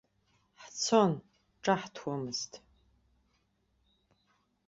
Ҳцон, ҿаҳҭуамызт.